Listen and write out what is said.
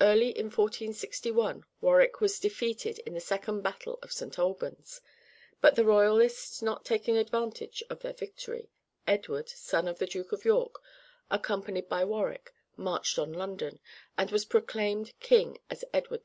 Early in 1461 Warwick was defeated in the second battle of St. Albans, but the royalists not taking advantage of their victory, Edward, son of the Duke of York, accompanied by Warwick, marched on London, and was proclaimed king as Edward IV.